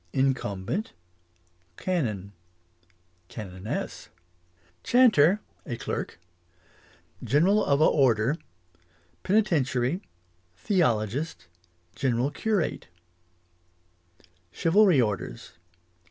Incumbent Canon Canoness Chanter, a clerk General of a order Penitentiary Theologist General curate Chivalry orders.